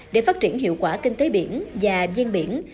để phát triển hiệu quả kinh tế biển và gian biển